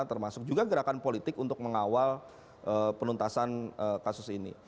termasuk juga gerakan politik untuk mengawal penuntasan kasus ini